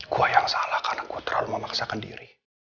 gue yang salah karena gue terlalu memaksakan diri